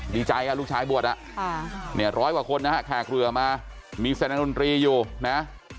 ดีใจลูกชายบวชอ่ะเนี่ยร้อยกว่าคนนะฮะแขกเรือมามีแสดงดนตรีอยู่นะ